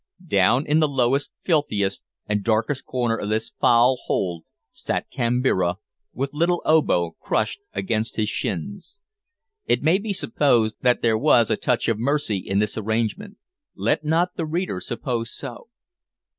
Down in the lowest, filthiest, and darkest corner of this foul hold sat Kambira, with little Obo crushed against his shins. It may be supposed that there was a touch of mercy in this arrangement. Let not the reader suppose so.